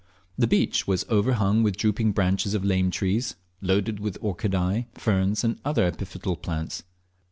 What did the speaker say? The beach was overhung with the drooping branches of lame trees, loaded with Orchideae, ferns, and other epiphytal plants.